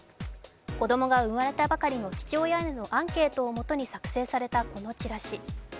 子供が生まれたばかりの父親へのアンケートから作成されたこのチラシ。